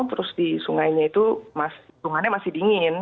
terus di sungainya itu sungainya masih dingin